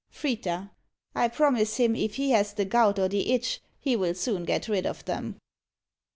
FRITA. I promise him, if he has the gout or the itch, he will soon get rid of them.